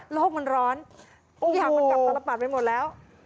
โลกมันร้อนที่หากมันกลับตลอดปัดไปหมดแล้ว